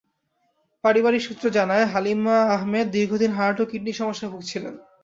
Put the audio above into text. পারিবারিক সূত্র জানায়, হালিমা আহমেদ দীর্ঘদিন হার্ট ও কিডনির সমস্যায় ভুগছিলেন।